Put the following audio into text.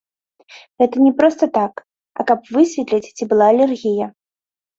Гэта не проста так, а каб высветліць, ці была алергія.